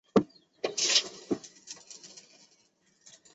陈尧咨人。